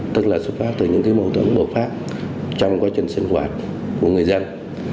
tức là xuất phát từ những cái mâu thuẫn bầu phát trong quá trình sinh hoạt của người dân